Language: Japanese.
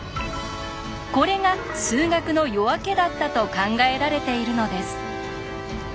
これが「数学の夜明け」だったと考えられているのです。